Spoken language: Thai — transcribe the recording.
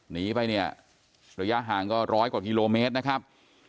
หนีไปเนี่ยระยะห่างก็ร้อยกว่ากิโลเมตรนะครับ